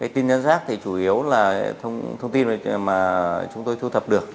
tin nhắn rác thì chủ yếu là thông tin mà chúng tôi thu thập được